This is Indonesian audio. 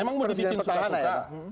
iya dong emang mau dibikin suka suka